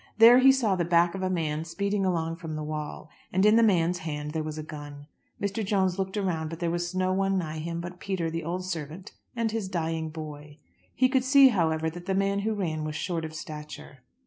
There he saw the back of a man speeding along from the wall, and in the man's hand there was a gun. Mr. Jones looked around but there was no one nigh him but Peter, the old servant, and his dying boy. He could see, however, that the man who ran was short of stature.